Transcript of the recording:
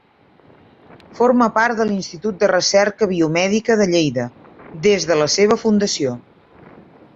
Forma part de l'Institut de Recerca Biomèdica de Lleida des de la seva fundació.